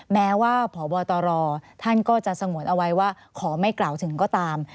แม้ว่าพบตรท่านก็จะสงวนเอาไว้ว่าขอไม่กล่าวถึงก็ตาม